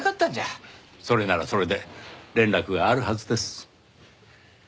それならそれで連絡があるはずです。